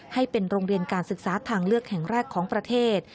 ให้เป็นโรงเรียนการศึกษาทางเลือกแห่งแรกของประเทศ